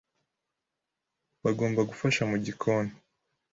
bagomba gufasha mu gikoni,